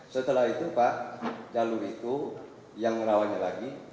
setelah itu pak jalur itu yang rawannya lagi